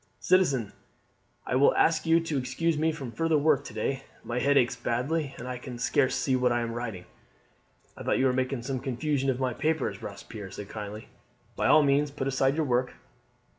"Citizen, I will ask you to excuse me from further work to day. My head aches badly, and I can scarce see what I am writing." "I thought you were making some confusion of my papers," Robespierre said kindly. "By all means put aside your work."